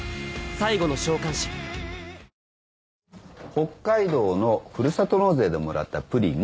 北海道のふるさと納税でもらったプリン？